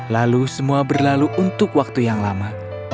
lalu semua berlalu untuk waktu yang lama